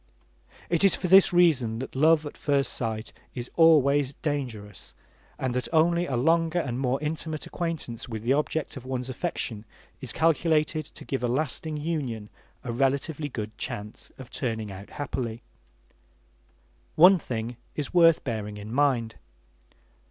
It is for this reason that love at first sight is always dangerous, and that only a longer and more intimate acquaintance with the object of one's affection is calculated to give a lasting union a relatively good chance of turning out happily. One thing is worth bearing in mind.